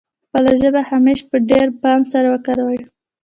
خپله ژبه همېش په ډېر پام سره وکاروي.